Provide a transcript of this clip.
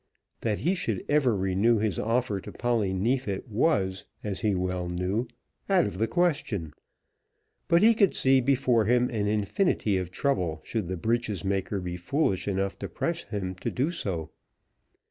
That he should ever renew his offer to Polly Neefit was, he well knew, out of the question; but he could see before him an infinity of trouble should the breeches maker be foolish enough to press him to do so.